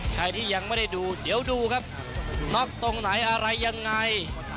ใครที่ยังไม่ได้ดูเดี๋ยวดูครับน็อกตรงไหนอะไรยังไง